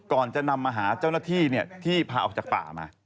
ก่อนจะนำมาหาเจ้าหน้าที่ที่พาออกจากป่ามา